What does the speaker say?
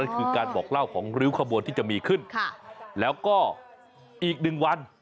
ก็คือการบอกเล่าของริ้วขบวนที่จะมีขึ้นแล้วก็อีกหนึ่งวัน